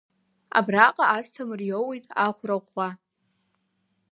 Абраҟа Асҭамыр иоуит ахәра ӷәӷәа.